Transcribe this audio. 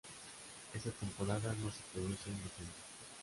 Esta temporada no se producen descensos.